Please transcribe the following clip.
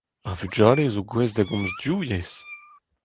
Ar vugale zo gouest da gomz div yezh.